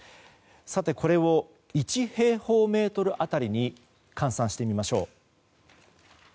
これを１平方メートル当たりに換算してみましょう。